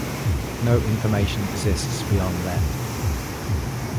No information exists beyond then.